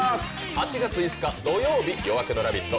８月５日月曜日の「夜明けラヴィット！」